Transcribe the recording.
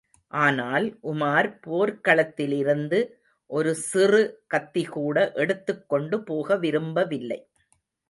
ஆனால் உமார் போர்க்களத்திலிருந்து ஒருசிறு கத்திகூட எடுத்துக் கொண்டுபோக விரும்பவில்லை.